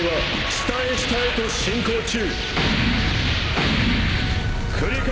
下へ下へと進行中！